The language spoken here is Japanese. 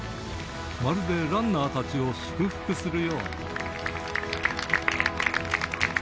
まるでランナーたちを祝福するように。